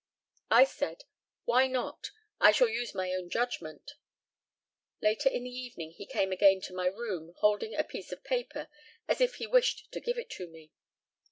I said, "Why not? I shall use my own judgment." Later in the evening he came again to my room, holding a piece of paper, as if he wished to give it to me.